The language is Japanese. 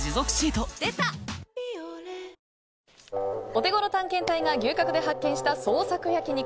オテゴロ探検隊が牛角で発見した創作焼肉。